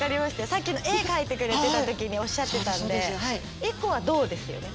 さっきの絵描いてくれてたときにおっしゃってたんで１個は胴ですよね。